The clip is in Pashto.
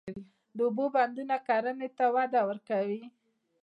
د اوبو بندونه کرنې ته وده ورکوي.